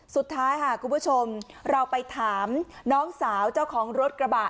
สุดท้ายค่ะคุณผู้ชมเราไปถามน้องสาวเจ้าของรถกระบะ